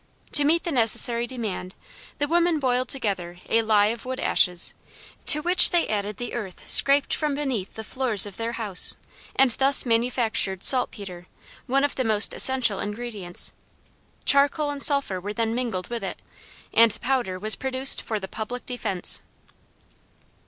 To meet the necessary demand, the women boiled together a lye of wood ashes, to which they added the earth scraped from beneath the floors of their house, and thus manufactured saltpeter, one of the most essential ingredients. Charcoal and sulphur were then mingled with it, and powder was produced "for the public defense."